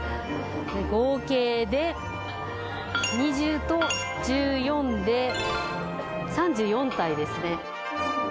合計で２０と１４で３４体ですね。